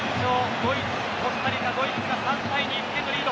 ドイツ、コスタリカドイツが３対２１点のリード。